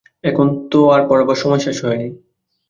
এখনো তো তার পড়াবার সময় শেষ হয় নি।